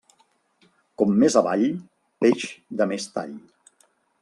Com més avall, peix de més tall.